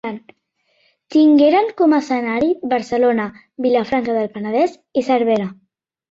Tingueren com a escenari Barcelona, Vilafranca del Penedès i Cervera.